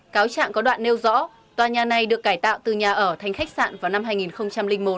cáo trạng có đoạn nêu rõ tòa nhà này được cải tạo từ nhà ở thành khách sạn vào năm hai nghìn một